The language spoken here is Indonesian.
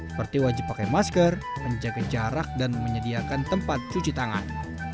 seperti wajib pakai masker menjaga jarak dan menyediakan tempat cuci tangan